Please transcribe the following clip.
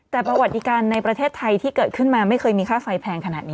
แต่ประวัติการในประเทศไทยที่เกิดขึ้นมาไม่เคยมีค่าไฟแพงขนาดนี้